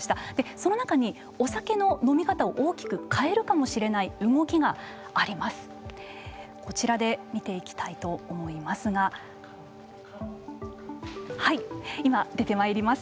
その中にお酒の飲み方を大きく変えるかもしれない動きがあります。